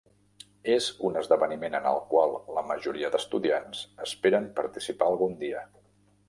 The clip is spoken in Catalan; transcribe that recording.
És un esdeveniment en el qual la majoria d'estudiants esperen participar algun dia.